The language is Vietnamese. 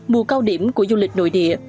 mùa cao điểm của du lịch nội địa